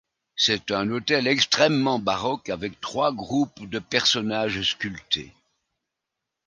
C'est un autel extrêmement baroque avec trois groupes de personnages sculptés.